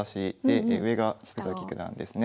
上が福崎九段ですね。